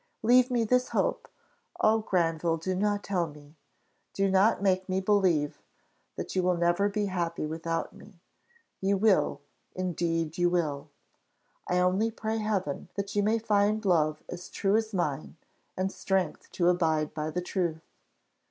Leave me this hope Oh, Granville, do not tell me, do not make me believe that you will never be happy without me! You will indeed you will. I only pray Heaven that you may find love as true as mine, and strength to abide by the truth!